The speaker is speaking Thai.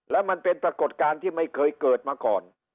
และมันเป็นปรากฏการณ์ที่ไม่เคยเกิดมาก่อน